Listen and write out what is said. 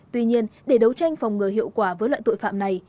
tuy nhiên để đấu tranh phòng ngừa hiệu quả với loại tội phạm này